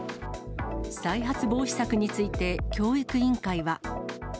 再発防止策について、教育委員会は。